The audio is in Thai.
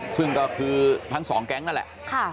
ซึ่งก็คือทั้งสองแก๊งนั่นแหละ